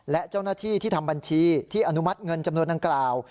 และเจ้าหน้าที่ที่ทำบัญชีที่อนุมัติเงินจำนวนดังกล่าว